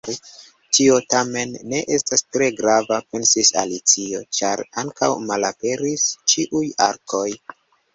"Tio tamen ne estas tre grava," pensis Alicio, "ĉar ankaŭ malaperis ĉiuj arkoj."